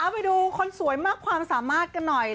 ไปดูคนสวยมากความสามารถกันหน่อย